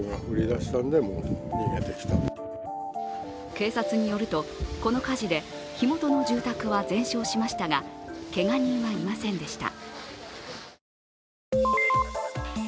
警察によると、この火事で火元の住宅は全焼しましたが、けが人はいませんでした。